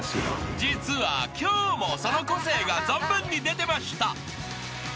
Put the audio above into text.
［実は今日もその個性が存分に出てました］